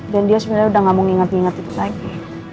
dan dia sebenarnya udah gak mau nginget nginget itu lagi